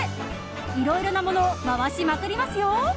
いろいろなものを回しまくりますよ！